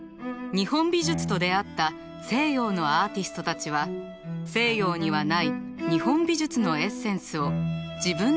日本美術と出会った西洋のアーティストたちは西洋にはない日本美術のエッセンスを自分の芸術に取り入れました。